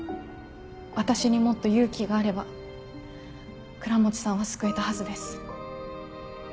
私にもっと勇気があれば倉持さんは救えたはずです。